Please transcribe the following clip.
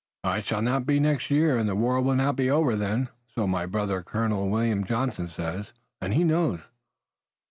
"I shall not be next year, and the war will not be over then, so my brother, Colonel William Johnson says, and he knows."